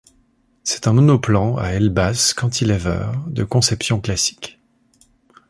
C'est un monoplan à aile basse cantilever de conception classique.